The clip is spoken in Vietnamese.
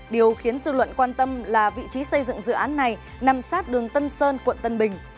điều khiến dư luận quan tâm là vị trí xây dựng dự án này nằm sát đường tân sơn quận tân bình